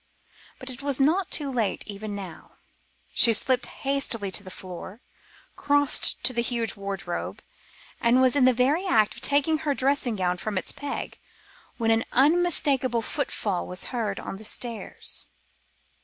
But it was not too late even now. She slipped hastily to the floor, crossed to the huge wardrobe, and was in the very act of taking her dressing gown from its peg when an unmistakable footfall was heard on the stairs.